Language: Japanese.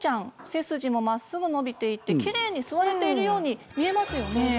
背筋もまっすぐ伸びていてきれいに座れているように見えますよね。